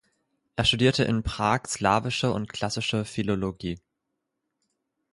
Er studierte in Prag slawische und klassische Philologie.